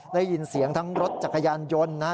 ได้ยินเสียงทั้งรถจักรยานยนต์นะ